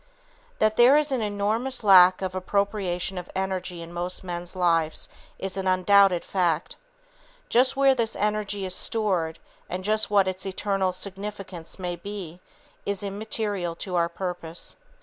That there is an enormous lack of appropriation of energy in most men's lives is an undoubted fact. Just where this energy is stored, and just what its eternal significance may be, is immaterial to our purpose.